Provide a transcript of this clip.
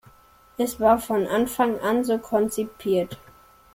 Es war von Anfang an so konzipiert.